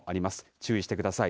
注意してください。